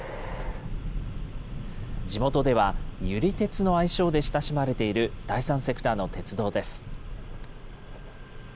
地元では由利鉄の愛称で親しまれている第三セクターの鉄道です。